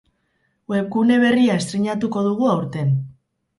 Webgune berria estreinatuko dugu aurten.